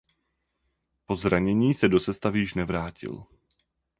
Po zranění se do sestavy již nevrátil.